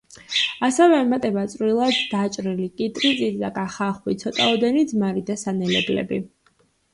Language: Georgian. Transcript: ასევე ემატება წვრილად დაჭრილი კიტრი, წიწაკა, ხახვი, ცოტაოდენი ძმარი და სანელებლები.